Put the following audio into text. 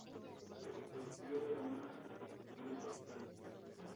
Surgió de una escisión del Partido Nacional.